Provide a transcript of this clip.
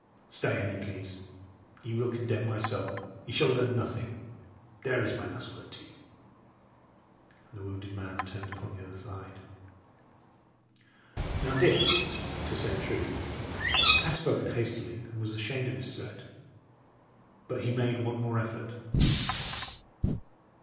Stay, an ye please. Ye will condemn my soul ye shall learn nothing! There is my last word to you." And the wounded man turned upon the other side. Now, Dick, to say truth, had spoken hastily, and was ashamed of his threat. But he made one more effort.